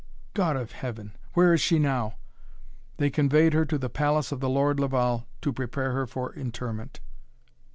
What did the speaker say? "God of Heaven! Where is she now?" "They conveyed her to the palace of the Lord Laval, to prepare her for interment."